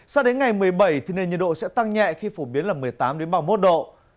sao đến ngày một mươi bảy thì nền nhiệt độ sẽ tăng nhẹ khi phổ biến là một mươi tám ba mươi một độ